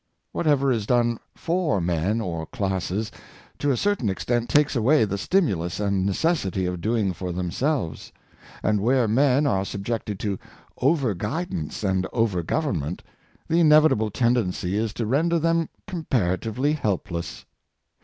Whatever is done /or men or classes, to a certain extent takes away the stimulus and necessity of doing for themselves; and where men are subjected to over guidance and over government, the inevitable tend ency is to render them comparatively helpless.